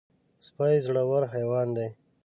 سپي زړور حیوان دی.